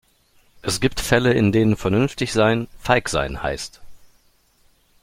Es gibt Fälle, in denen vernünftig sein, feig sein heißt.